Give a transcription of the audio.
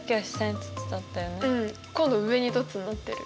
今度上に凸になってる。